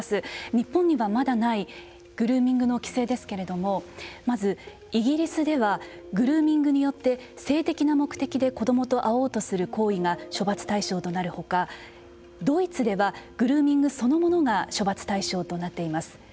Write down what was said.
日本にはまだないグルーミングの規制ですけれどもまず、イギリスではグルーミングによって性的な目的で子どもと会おうとする行為が処罰対象となるほか、ドイツではグルーミングそのものが処罰対象となっています。